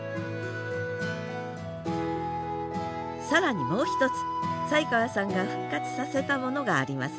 更にもう一つ宰川さんが復活させたものがあります。